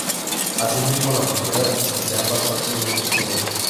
Así mismo, la frontera entre ambas partes son dos curvas.